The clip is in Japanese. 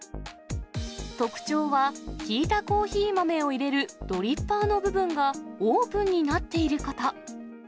特徴は、ひいたコーヒー豆を入れるドリッパーの部分がオープンになっていること。